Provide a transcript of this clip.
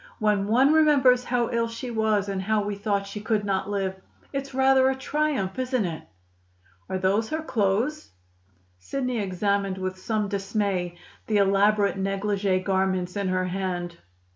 When one remembers how ill she was and how we thought she could not live, it's rather a triumph, isn't it?" "Are those her clothes?" Sidney examined with some dismay the elaborate negligee garments in her hand.